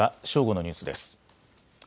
正午のニュースです。